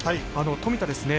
富田ですね